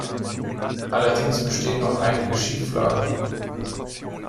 Allerdings bestehen noch einige Schieflagen.